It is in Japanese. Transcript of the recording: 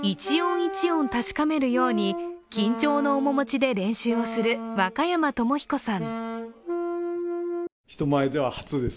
１音確かめるように緊張の面持ちで練習をする若山智彦さん。